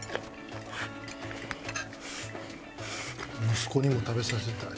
息子にも食べさせたい。